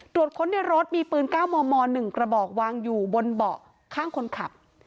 ค้นในรถมีปืน๙มม๑กระบอกวางอยู่บนเบาะข้างคนขับ